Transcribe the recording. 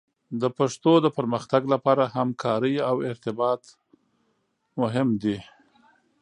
د پښتو د پرمختګ لپاره همکارۍ او ارتباط مهم دي.